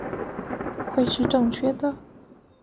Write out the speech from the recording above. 会是正确的